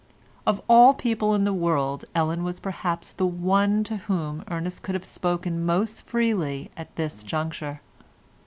Of all people in the world Ellen was perhaps the one to whom Ernest could have spoken most freely at this juncture.